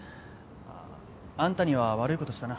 アンタには悪いことしたな。